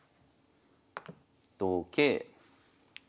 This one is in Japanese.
同桂。